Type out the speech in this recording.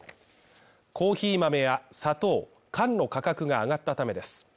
コーヒー豆や砂糖、缶の価格が上がったためです。